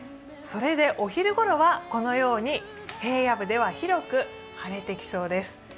それでお昼ごろはこのように平野部では広く晴れてきそうです。